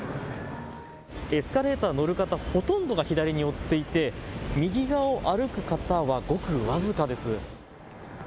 エスカレーター乗る方、ほとんどが左に寄っていて右側を歩く方はごく僅かです。